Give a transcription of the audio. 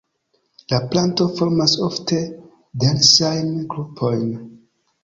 La planto formas ofte densajn grupojn.